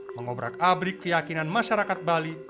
mengobrak abrik keyakinan masyarakat bali